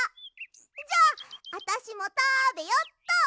じゃああたしもたべよっと。